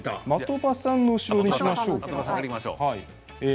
的場さんの後ろにしましょうか。